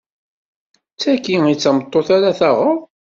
D tagi i d tameṭṭut ara taɣeḍ?